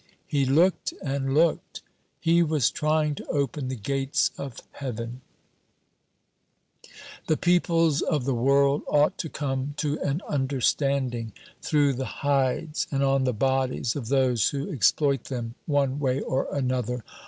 He looked and looked. He was trying to open the gates of heaven. "The peoples of the world ought to come to an understanding, through the hides and on the bodies of those who exploit them one way or another.